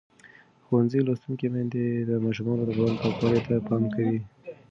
ښوونځې لوستې میندې د ماشومانو د بدن پاکوالي ته پام کوي.